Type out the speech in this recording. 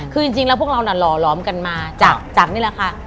คือจริงแล้วพวกเราน่ะหล่อหลอมกันมาจากนี่แหละค่ะ